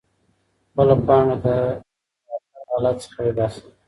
خپله پانګه له راکد حالت څخه وباسئ.